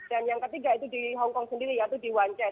dan yang ketiga itu di hongkong sendiri yaitu di wan chet